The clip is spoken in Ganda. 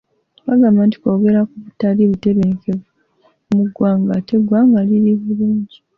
Bagamba nti kwogera ku butali butebenkevu muggwanga ate eggwanga liri bulungi.